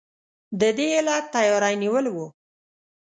د دې علت تیاری نیول وو.